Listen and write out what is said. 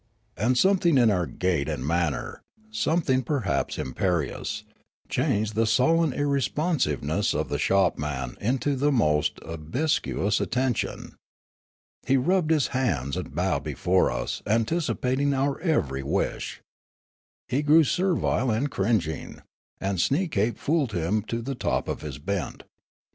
And something in our gait and manner, something perhaps imperious, changed the sullen irresponsiveness of the shopman into the most obsequious attention. He rubbed his hands and bowed before us and antici pated our every wish. He grew servile and cringing ; and Sneekape fooled him to the top of his bent.